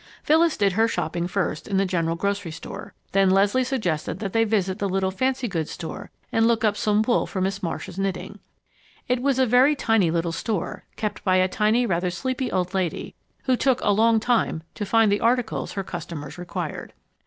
Phyllis did her shopping first, in the general grocery store. Then Leslie suggested that they visit the little fancy goods store and look up some wool for Miss Marcia's knitting. It was a very tiny little store, kept by a tiny, rather sleepy old lady, who took a long time to find the articles her customers required.